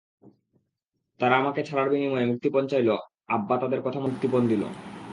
তারা আমাকে ছাড়ার বিনিময়ে মুক্তিপণ চাইলো আব্বা তাদের কথামত মুক্তিপণ দিলো।